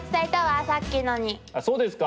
あっそうですか？